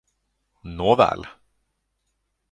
Nåväl!